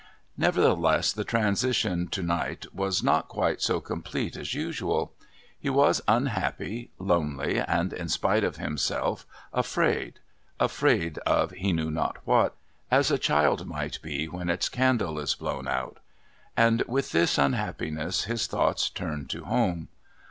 Nevertheless the transition to night was not quite so complete as usual. He was unhappy, lonely, and in spite of himself afraid, afraid of he knew not what, as a child might be when its candle is blown out. And with this unhappiness his thoughts turned to home.